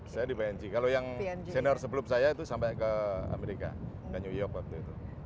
saya di png kalau yang senior sebelum saya itu sampai ke amerika ke new york waktu itu